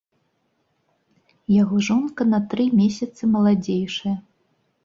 Яго жонка на тры месяцы маладзейшая.